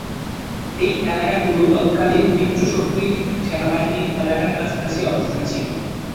এই এলাকা গুলো তৎকালীন মিত্রশক্তির সেনাবাহিনীর এলাকার কাছাকাছি অবস্থানে ছিল।